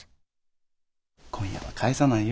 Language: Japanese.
今夜は帰さないよ。